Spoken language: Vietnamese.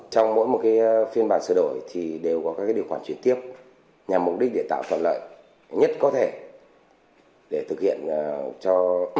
trong mỗi một phiên bản sửa đổi thì đều có các điều khoản chuyển tiếp nhằm mục đích để tạo thuận lợi nhất có thể để thực hiện